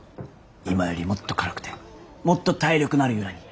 今よりもっと軽くてもっと体力のある由良に。